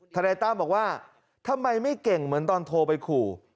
นายตั้มบอกว่าทำไมไม่เก่งเหมือนตอนโทรไปขู่